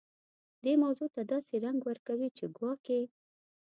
دې موضوع ته داسې رنګ ورکوي چې ګواکې.